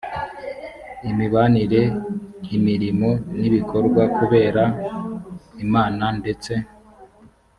imibanire imirimo n ibikorwa kubera imana ndetse